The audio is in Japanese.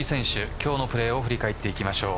今日のプレーを振り返っていきましょう。